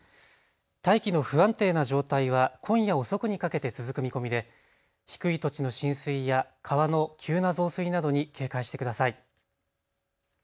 大気の不安定な状態は今夜遅くにかけて続く見込みで低い土地の浸水や川の急な増水などに警戒してください。